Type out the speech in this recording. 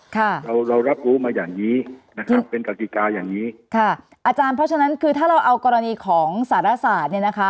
ค่ะเราเรารับรู้มาอย่างนี้นะครับเป็นกติกาอย่างนี้ค่ะอาจารย์เพราะฉะนั้นคือถ้าเราเอากรณีของสารศาสตร์เนี่ยนะคะ